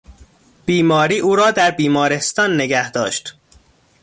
بیماری او را در بیمارستان نگهداشت.